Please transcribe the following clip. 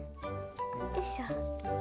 よいしょ。